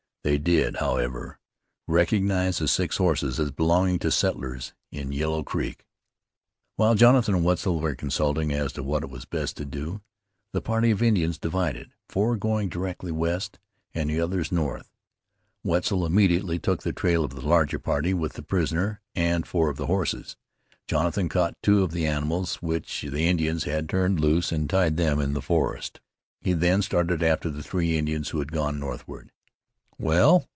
They did, however, recognize the six horses as belonging to settlers in Yellow Creek. While Jonathan and Wetzel were consulting as to what it was best to do, the party of Indians divided, four going directly west, and the others north. Wetzel immediately took the trail of the larger party with the prisoner and four of the horses. Jonathan caught two of the animals which the Indians had turned loose, and tied them in the forest. He then started after the three Indians who had gone northward. "Well?"